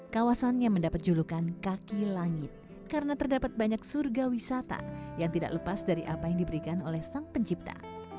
kawasan yang mendapat julukan kaki langit karena terdapat banyak surga wisata yang tidak lepas dari apa yang diberikan oleh sang pencipta